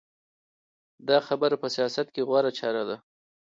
دا خبره په سیاست کې غوره چاره ده.